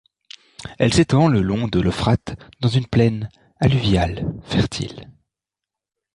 Elle s'étend le long de l'Euphrate dans une plaine alluviale fertile.